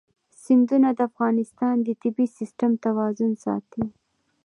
سیندونه د افغانستان د طبعي سیسټم توازن ساتي.